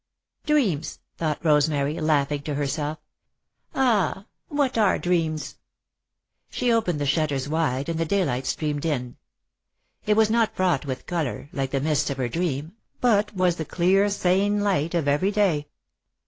"Dreams," thought Rosemary, laughing to herself. "Ah, what are dreams!" She opened the shutters wide and the daylight streamed in. It was not fraught with colour, like the mists of her dream, but was the clear, sane light of every day.